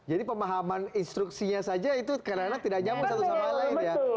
jadi pemahaman instruksinya saja itu karena tidak nyamuk satu sama lain ya